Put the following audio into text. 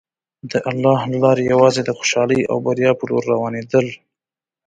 د الله له لارې یوازې د خوشحالۍ او بریا په لور روانېدل.